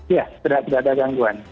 iya tidak ada gangguan